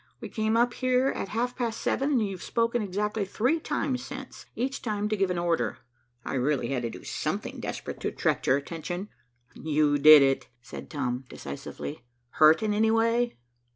We came up here at half past seven and you have spoken exactly three times since, each time to give an order. I really had to do something desperate to attract your attention." "You did it," said Tom decisively. "Hurt in any way?"